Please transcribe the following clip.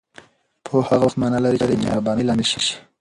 پوهه هغه وخت معنا لري چې دمهربانۍ لامل شي